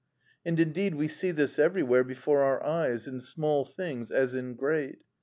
And indeed we see this everywhere before our eyes, in small things as in great.